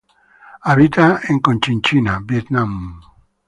Habita en Cochinchina Vietnam.